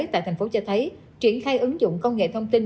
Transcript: tại tp hcm triển khai ứng dụng công nghệ thông tin